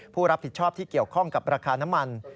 ผู้รับผิดชอบที่เกี่ยวข้องกับราคาน้ำมัน